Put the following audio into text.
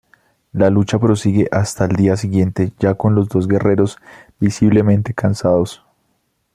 La lucha prosigue hasta el día siguiente, ya con los dos guerreros visiblemente cansados.